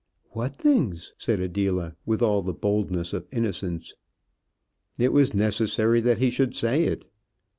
"What things?" said Adela, with all the boldness of innocence. It was necessary that he should say it.